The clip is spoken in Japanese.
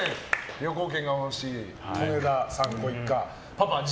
旅行券が欲しい利根田さんご一家。